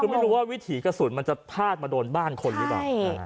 คือไม่รู้ว่าวิถีกระสุนมันจะพลาดมาโดนบ้านคนหรือเปล่า